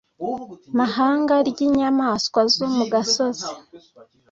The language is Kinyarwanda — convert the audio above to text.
mahanga ry inyamaswa zo mu gasozi